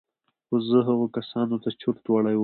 خو زه هغو کسانو ته چورت وړى وم.